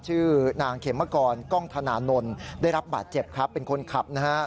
ชื่อนางเขมเมื่อก่อนก้องธนานนท์ได้รับบาดเจ็บเป็นคนขับนะฮะ